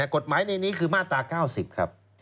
กฎหมายในนี้คือมาตรา๙๐ครับ